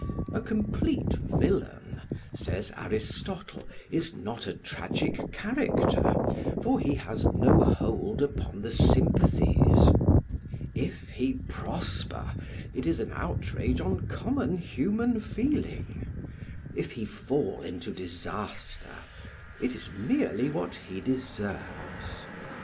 A complete villain, says Aristotle, is not a tragic character, for he has no hold upon the sympathies; if he prosper, it is an outrage on common human feeling; if he fall into disaster, it is merely what he deserves.